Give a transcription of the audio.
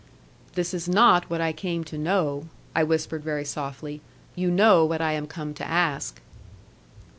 'This is not what I came to know,' I whispered very softly, 'you know what I am come to ask.'